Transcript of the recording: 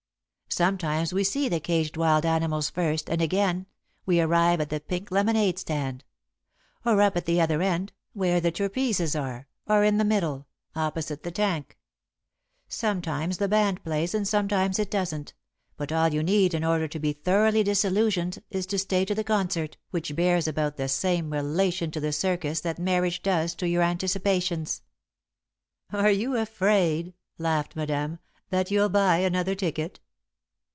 "Sometimes we see the caged wild animals first, and again, we arrive at the pink lemonade stand; or, up at the other end, where the trapezes are, or in the middle, opposite the tank. Sometimes the band plays and sometimes it doesn't, but all you need in order to be thoroughly disillusioned is to stay to the concert, which bears about the same relation to the circus that marriage does to your anticipations." "Are you afraid," laughed Madame, "that you'll buy another ticket?"